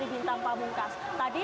makar yang memang saat ini